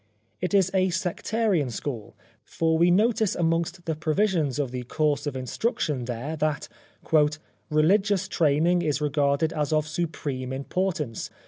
It is a sectarian school ; for we notice amongst the provisions of the " Course of Instruction " there that :*' Religious training is regarded as of supreme importance.